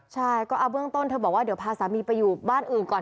ใช่ก็เอาเบื้องต้นเธอบอกว่าเดี๋ยวพาสามีไปอยู่บ้านอื่นก่อน